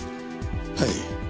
はい。